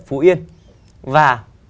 phú yên và